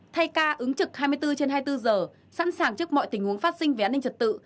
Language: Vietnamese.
thay ca ứng trực hai mươi bốn trên hai mươi bốn giờ sẵn sàng trước mọi tình huống phát sinh về an ninh trật tự